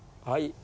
はい。